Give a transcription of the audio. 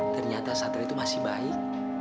ternyata satel itu masih baik